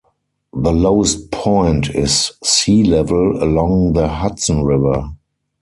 The lowest point is sea level, along the Hudson River.